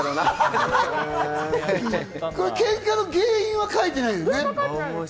喧嘩の原因は書いてないのね。